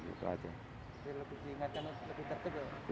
jadi lebih diingatkan lebih tertib ya